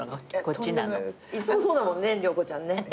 いつもそうだもんね良子ちゃんね。